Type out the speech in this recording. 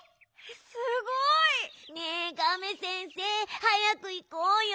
すごい！ねえガメ先生はやくいこうよ。